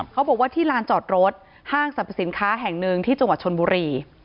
เขาบอกว่าที่ลานจอดรถห้างสรรพสินค้าแห่งหนึ่งที่จังหวัดชนบุรี